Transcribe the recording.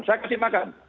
saya kasih makan